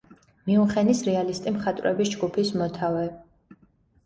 მიუნხენის რეალისტი მხატვრების ჯგუფის მოთავე.